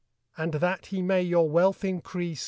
I And that he may your wealth increase